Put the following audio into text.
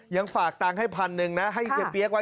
ฝากตังค์ให้พันหนึ่งนะให้เฮียเปี๊ยกไว้